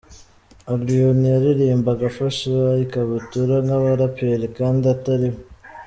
Allioni yaririmbaga afashe ikabutura nk'abaraperi kandi atari we.